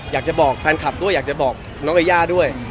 อยากจะบอกแฟนคลับด้วยอยากจะบอกน้องยาย่าด้วย